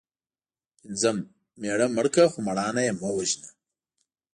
پنځم:مېړه مړ که خو مړانه یې مه وژنه